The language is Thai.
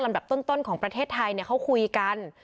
ดับต้นของประเทศไทยเขาคุยกัน